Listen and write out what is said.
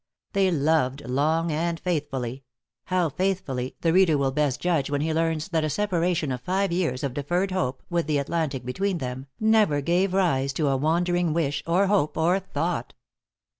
They loved long and faithfully how faithfully, the reader will best judge when he learns that a separation of five years of deferred hope, with the Atlantic between them, never gave rise to a wandering wish, or hope, or thought.